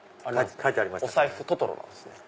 お財布トトロなんですね。